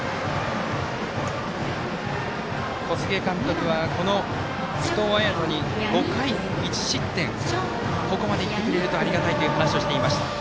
小菅監督は伊藤彩斗に５回１失点ここまでいってくれるとありがたいという話をしていました。